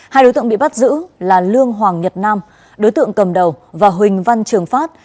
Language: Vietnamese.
hai đối tượng bị bắt giữ là lương hoàng nhật nam đối tượng cầm đầu và huỳnh văn trường phát